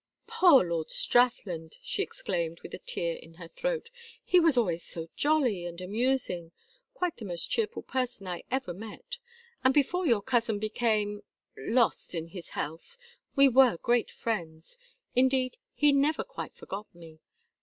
"Poor Lord Strathland!" she exclaimed, with a tear in her throat. "He was always so jolly and amusing, quite the most cheerful person I ever met. And before your cousin became lost his health we were great friends. Indeed he never quite forgot me.